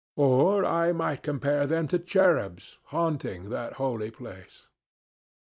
Or I might compare them to cherubs haunting that holy place.